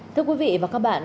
thưa quý vị và các bạn